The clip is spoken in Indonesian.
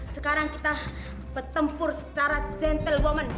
sekarang kita bertempur secara gentlewoman